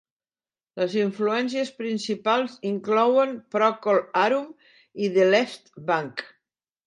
Les influències principals incloïen Procol Harum i The Left Banke.